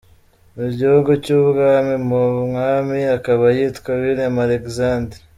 Ni igihugu cy’Ubwami ubu umwami akaba yitwa Willem Alexandre.